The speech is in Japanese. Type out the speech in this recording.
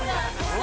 何？